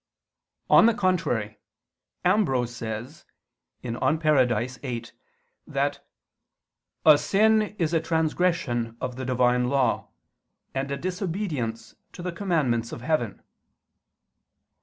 On the contrary, Ambrose says (De Paradiso viii) that "a sin is a transgression of the Divine law, and a disobedience to the commandments of heaven."